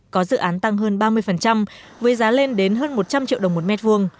có dự án tăng hơn ba mươi với giá lên đến hơn một trăm linh triệu đồng một mét vuông